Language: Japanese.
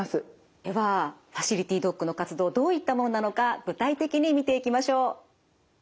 ではファシリティドッグの活動どういったものなのか具体的に見ていきましょう。